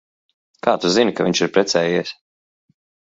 Kā tu zini, ka viņš ir precējies?